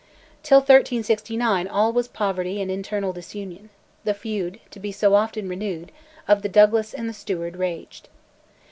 Till 1369 all was poverty and internal disunion; the feud, to be so often renewed, of the Douglas and the Steward raged.